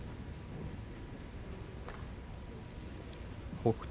北勝